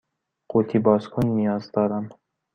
قوطی باز کن نیاز دارم.